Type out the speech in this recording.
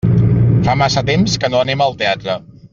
Fa massa temps que no anem al teatre.